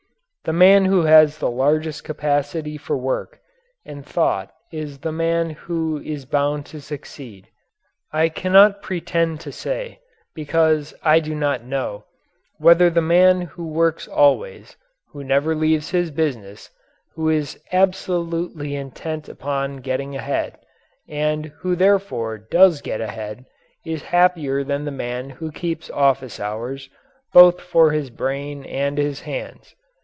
The man who has the largest capacity for work and thought is the man who is bound to succeed. I cannot pretend to say, because I do not know, whether the man who works always, who never leaves his business, who is absolutely intent upon getting ahead, and who therefore does get ahead is happier than the man who keeps office hours, both for his brain and his hands.